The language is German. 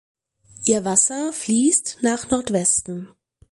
Ihr Wasser fließt nach Nordwesten.